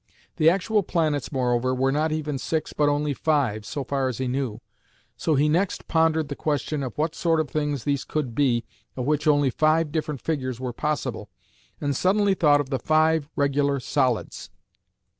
The actual planets moreover were not even six but only five, so far as he knew, so he next pondered the question of what sort of things these could be of which only five different figures were possible and suddenly thought of the five regular solids.